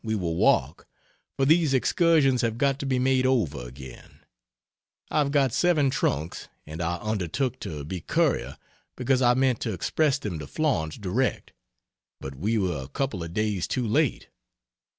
Next year we will walk, for these excursions have got to be made over again. I've got seven trunks, and I undertook to be courier because I meant to express them to Florence direct, but we were a couple of days too late.